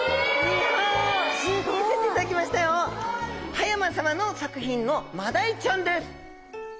葉山さまの作品のマダイちゃんです。